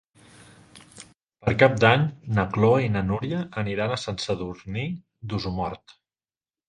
Per Cap d'Any na Chloé i na Núria aniran a Sant Sadurní d'Osormort.